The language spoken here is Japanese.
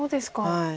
はい。